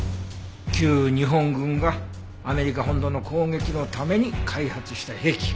旧日本軍がアメリカ本土の攻撃のために開発した兵器だよね？